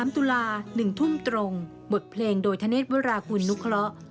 ๑๓ตุลา๑ทุ่มตรงบทเพลงโดยธเนสเวอรากุลนุคเลาะ